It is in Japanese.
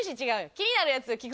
気になるやつ聞く